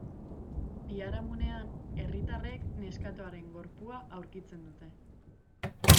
Biharamunean, herritarrek neskatoaren gorpua aurkitzen dute.